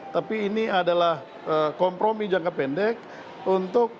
tapi ini adalah kompromi jangka pendek untuk